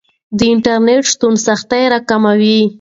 د انټرنیټ شتون سختۍ راکموي.